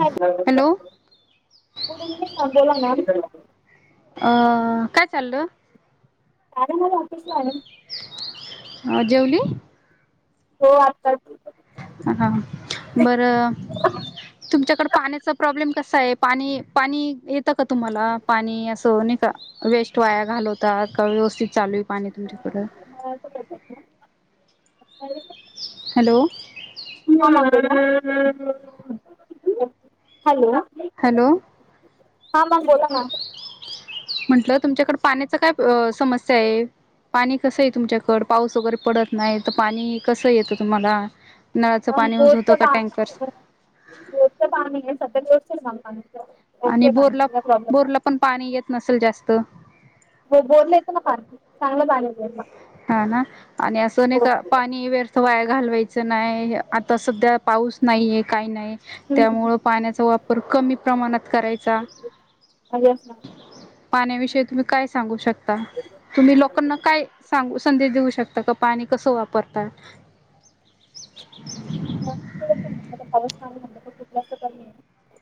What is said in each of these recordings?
Hello पुढे मी कोण बोललो ना चाललो अरे मी ऑफिसला आले अ जेवली. हो आत्ताच, ह बर तुमच्याकड पाण्याचा प्रॉब्लेम कसा आहे, पाणी पाणी येतं का तुम्हाला पाणी असं न का वेस्ट वाया घालवत. का व्यवस्थित चालू आहे पाणी तुमच्याकड. [unintelligible] हॅलो! [unintelligible] Hello hello! हा मॅम बोला ना. म्हंटलं तुमच्याकडे पाण्याच काय समस्या आहे. पाणी कस आहे तुमच्याकड पाऊस वगैरे पडत नाही, तर पाणी कसं येतं तुम्हाला. नळाचं पाणी हा यूज होतं का बोरच टँकर्स पाणी सध्यातरी बोरचे दिवसभर असते. आणि बोरला बोरला पण पाणी येत नसेल जास्त, हो बोरला येताना पाणी चांगले येतं. मॅम हा ना आणि असं नाही हो का पाणी व्यर्थ, वाया, घालवायचं नाही, आता सध्या पाऊस नाहीे काही नाही हम्म, हम्म. त्यामुळं पाण्याचा वापर कमी प्रमाणात करायचा. म्हणजे येस मॅम पाण्याविषयी तुम्ही काय सांगू शकता, तुम्ही लोकांना काय सांगू संदेश देऊ शकता का पाणी कस वापरतात. कुठ जा [unintelligible]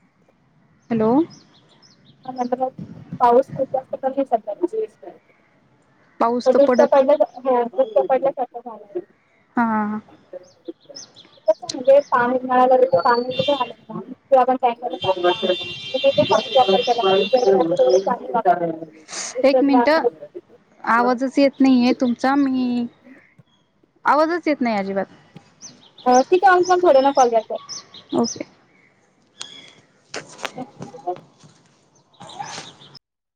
हॅलो! ह नंतर पाऊस कोत असत पण हे स पाऊस [unintelligible] तर दुष्काळ पडत पडल्या हो दुष्काळ पडल्यासारखं झालंय. हां कसं पाणी मिळालं तर पाण्याची खूप हलत आहे टँकरनं पाणी चालू आहे. मा [unintelligible] एक मिनिट आवाजच येत नाहीये तुमचा मी आवाजच येत नाही अजिबात, अ तिथे [inaudible] ओके ह